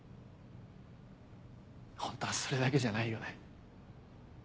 ホントはそれだけじゃないよね？